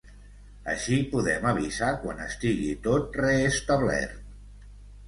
Així podem avisar quan estigui tot reestablert.